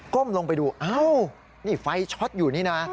้มลงไปดูอ้าวนี่ไฟช็อตอยู่นี่นะ